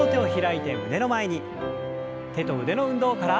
手と腕の運動から。